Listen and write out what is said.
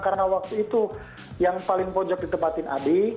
karena waktu itu yang paling pojok ditempatkan adik